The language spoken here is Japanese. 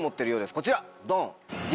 こちらドン！